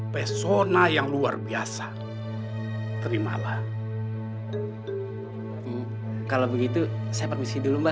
pesona yang luar biasa terimalah kalau begitu saya permisi dulu mbak